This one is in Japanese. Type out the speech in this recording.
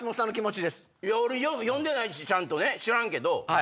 俺読んでないしちゃんとね知らんけど。